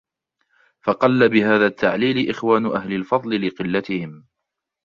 فَقَلَّ بِهَذَا التَّعْلِيلِ إخْوَانُ أَهْلِ الْفَضْلِ لِقِلَّتِهِمْ